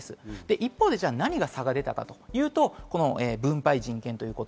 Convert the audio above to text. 一方、何が差が出たかというと、分配、人権です。